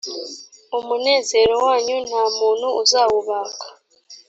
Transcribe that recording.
umunezero wanyu nta muntu uzawubaka